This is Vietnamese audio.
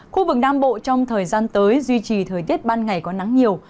khu vực nam bộ trong thời gian tới duy trì thời tiết ban ngày có nắng nhiều